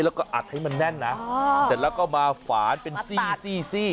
แล้วก็อัดให้มันแน่นนะเสร็จแล้วก็มาฝานเป็นซี่